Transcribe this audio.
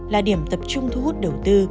là điểm tập trung thu hút đầu tư